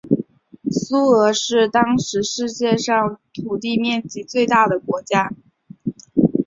苏俄是当时世界上土地面积最大的国家。